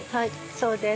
そうです。